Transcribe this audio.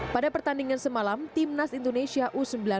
pada pertandingan semalam timnas indonesia u sembilan belas